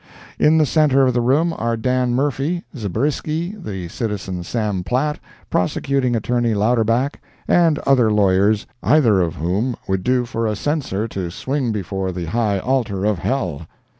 In the centre of the room are Dan Murphy, Zabriskie, the Citizen Sam Platt, Prosecuting Attorney Louderback, and other lawyers, either of whom would do for a censer to swing before the high altar of hell.